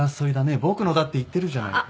僕のだって言ってるじゃないか。